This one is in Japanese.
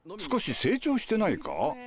少し成長してないか？